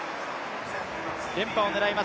連覇を狙います